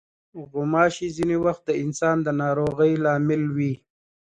غوماشې ځینې وخت د انسان د ناروغۍ لامل وي.